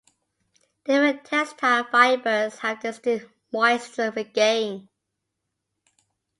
Different textile fibers have distinct moisture regain.